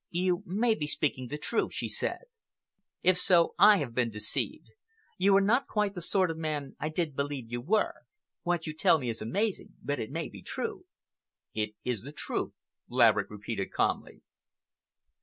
"You may be speaking the truth," she said. "If so, I have been deceived. You are not quite the sort of man I did believe you were. What you tell me is amazing, but it may be true." "It is the truth," Laverick repeated calmly.